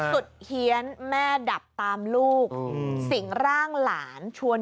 เฮียนแม่ดับตามลูกสิ่งร่างหลานชวน